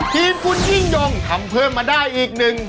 ทีมคุณยิ่งยงทำเพิ่มมาได้อีกหนึ่ง